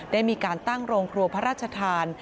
ได้มีการตั้งโรงครัวพระราชทาน